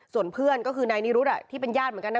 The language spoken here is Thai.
ส่วนเพื่อนก็คือนายนิรุธที่เป็นญาติเหมือนกันนะ